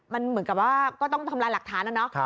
มันเหมือนกับว่าก็ต้องทำลายหลักฐานนะเนาะ